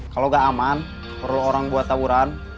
kalau tidak aman perlu orang buat taburan